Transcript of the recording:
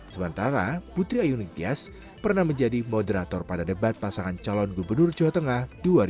sementara putri ayu ningtyas pernah menjadi moderator pada debat pasangan calon gubernur jawa tengah dua ribu delapan belas